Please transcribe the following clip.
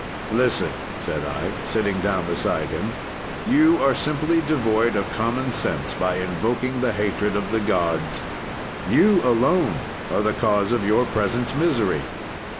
"'Listen,' said I, sitting down beside him, 'you are simply devoid of common sense, by invoking the hatred of the gods! You alone are the cause of your present misery.